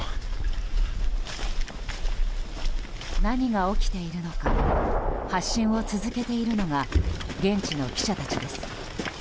何が起きているのか発信を続けているのが現地の記者たちです。